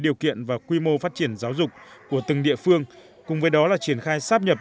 điều kiện và quy mô phát triển giáo dục của từng địa phương cùng với đó là triển khai sáp nhập